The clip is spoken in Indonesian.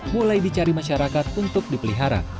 mulai dicari masyarakat untuk dipelihara